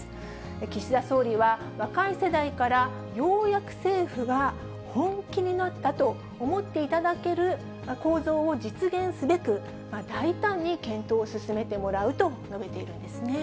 岸田総理は、若い世代からようやく政府が本気になったと思っていただける構造を実現すべく、大胆に検討を進めてもらうと述べているんですね。